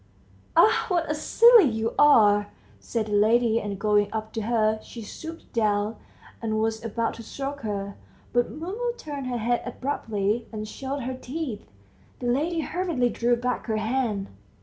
"Ah, what a silly you are!" said the lady, and going up to her, she stooped down, and was about to stroke her, but Mumu turned her head abruptly, and showed her teeth. The lady hurriedly drew back her hand.